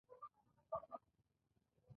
آیا دا عاید زیات شوی؟